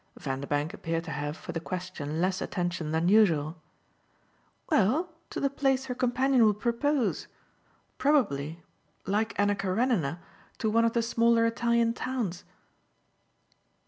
Vanderbank appeared to have for the question less attention than usual. "Well, to the place her companion will propose. Probably like Anna Karenine to one of the smaller Italian towns."